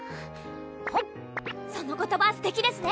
その言葉すてきですね！